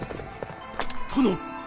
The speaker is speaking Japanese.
殿！